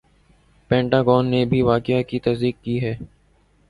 پینٹا gone نے بھی واقعہ کی تصدیق کی ہے